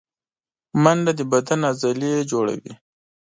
منډه د بدن عضلې جوړوي